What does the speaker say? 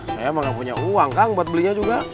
saya emang gak punya uang kang buat belinya juga